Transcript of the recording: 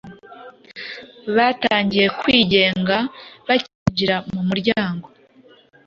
batangiye kwigenga bakinjira mu muryango